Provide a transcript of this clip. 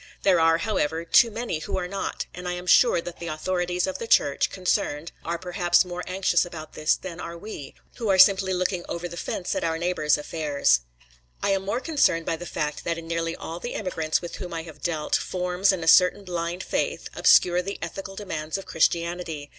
There are, however, too many who are not, and I am sure that the authorities of the Church concerned are perhaps more anxious about this than are we, who are simply looking over the fence at our neighbours' affairs. I am more concerned by the fact that in nearly all the immigrants with whom I have dealt, forms and a certain blind faith, obscure the ethical demands of Christianity.